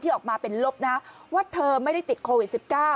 ออกมาเป็นลบนะว่าเธอไม่ได้ติดโควิด๑๙